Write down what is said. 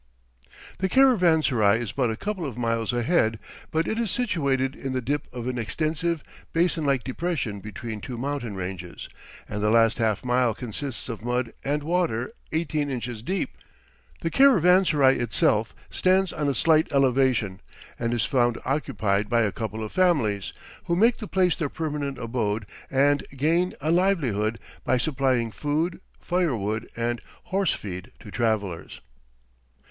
The caravanserai is but a couple of miles ahead, but it is situated in the dip of an extensive, basin like depression between two mountain ranges, and the last half mile consists of mud and water eighteen inches deep. The caravanserai itself stands on a slight elevation, and is found occupied by a couple of families, who make the place their permanent abode and gain a livelihood by supplying food, firewood, and horse feed to travellers.